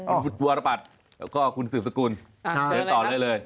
อ้าวชัวร์ปัดก็คุณสิบสกุลเดินต่อด้วยเลย